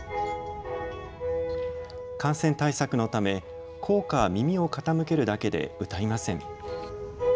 感染対策のため、校歌は耳を傾けるだけで歌いません。